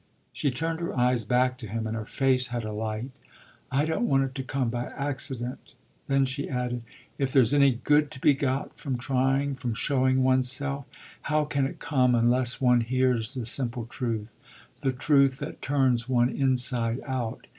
She turned her eyes back to him and her face had a light. "I don't want it to come by accident." Then she added: "If there's any good to be got from trying, from showing one's self, how can it come unless one hears the simple truth, the truth that turns one inside out?